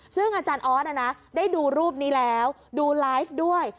ซึ่งอาจารย์ออสได้ดูรูปนี้แล้วดูไลฟ์ด้วย